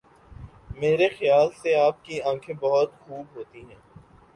میری خیال سے آپ کی آنکھیں بہت خوب ہوتی ہیں.